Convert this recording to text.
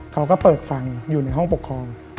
เขาก็เปิดฟังอยู่ในห้องปกครอง